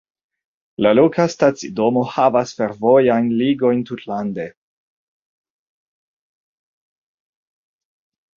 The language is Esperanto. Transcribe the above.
La loka stacidomo havas fervojajn ligojn tutlande.